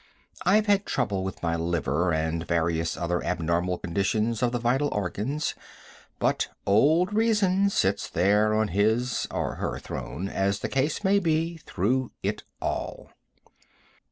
I've had trouble with my liver, and various other abnormal conditions of the vital organs, but old reason sits there on his or her throne, as the case may be, through it all.